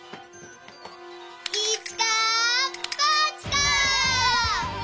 いちかばちか！